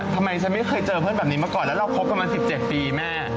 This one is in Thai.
ทำไมฉันไม่เคยเจอเพื่อนแบบนี้มาก่อนแล้วเราคบกันมา๑๗ปีแม่